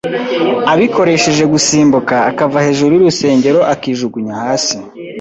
abikoresheje gusimbuka akava hejuru y’urusengero akijugunya hasi.